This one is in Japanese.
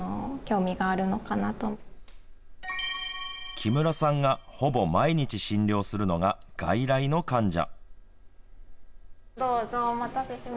木村さんがほぼ毎日診療するのが外来の患者。